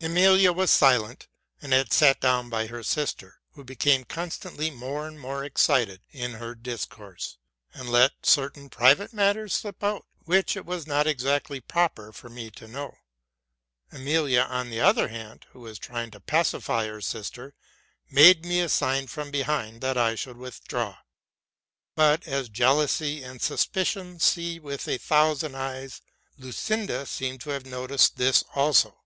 Emilia was silent, and had sat down by her sister, who be came constantly more and more excited in her discourse, and let certain private matters slip out, which it was not exactly proper for me to know. Emilia, on the other hand, who was trying to pacify her sister, made me a sign from behind that I should withdraw ; but, as jealousy and suspicion see with «a thousand eyes, Lucinda seemed % have noticed this also.